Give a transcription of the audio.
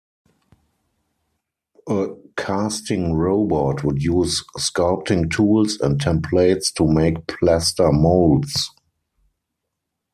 A "casting robot" would use sculpting tools and templates to make plaster molds.